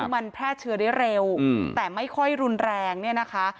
มันแพร่เชื้อได้เร็วแต่ไม่ค่อยรุนแรงเนี่ยนะคะ